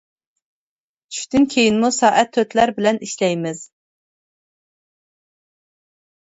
چۈشتىن كېيىنمۇ سائەت تۆتلەر بىلەن ئىشلەيمىز.